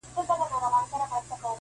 په پردي لاس مار هم مه وژنه -